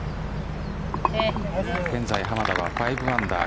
現在、濱田は５アンダー。